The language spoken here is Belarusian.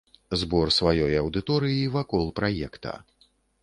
Збор сваёй аўдыторыі вакол праекта.